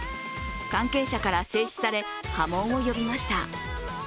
関係者から制止され波紋を呼びました。